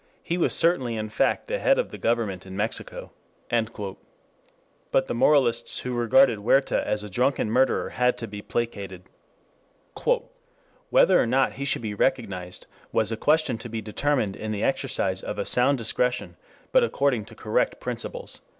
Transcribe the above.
"He was certainly in fact the head of the Government in Mexico." But the moralists who regarded Huerta as a drunken murderer had to be placated. "Whether or not he should be recognized was a question to be determined in the exercise of a sound discretion, but according to correct principles."